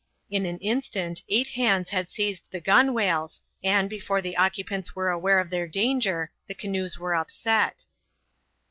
In an instant eight hands had seized the gunwales, and, before the occupants were aware of their danger, the canoes were upset.